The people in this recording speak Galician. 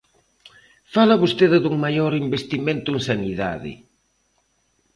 Fala vostede dun maior investimento en sanidade.